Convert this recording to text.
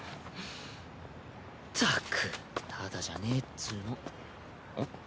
ったくタダじゃねぇっつぅの。